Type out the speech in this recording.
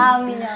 amin ya allah